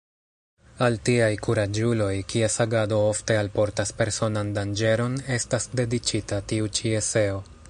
Al tiaj kuraĝuloj, kies agado ofte alportas personan danĝeron, estas dediĉita tiu ĉi eseo.